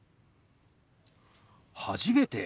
初めて？